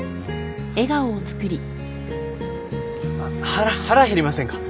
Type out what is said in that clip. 腹腹減りませんか？